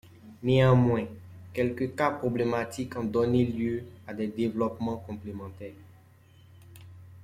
Néanmoins quelques cas problématiques ont donné lieu à des développements complémentaires.